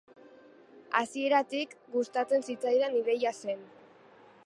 Hasieratik gustatzen zitzaidan ideia zen.